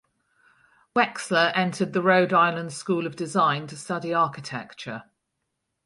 Wexler entered the Rhode Island School of Design to study architecture.